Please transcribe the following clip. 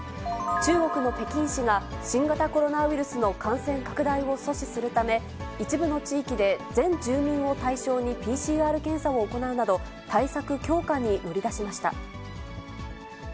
中国の北京市が、新型コロナウイルスの感染拡大を阻止するため、一部の地域で全住民を対象にＰＣＲ検査を行うなど、対策強化に乗り出しました。